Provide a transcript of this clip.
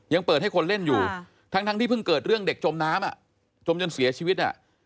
เปิดให้คนเล่นอยู่ทั้งที่เพิ่งเกิดเรื่องเด็กจมน้ำจมจนเสียชีวิต